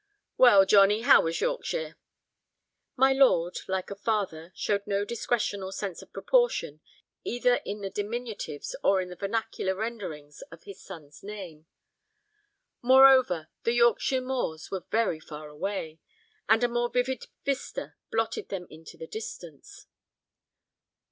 "Well, Johnny, how is Yorkshire?" My lord, like a father, showed no discretion or sense of proportion either in the diminutives or in the vernacular renderings of his son's name. Moreover, the Yorkshire moors were very far away, and a more vivid vista blotted them into the distance.